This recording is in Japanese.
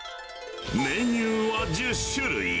メニューは１０種類。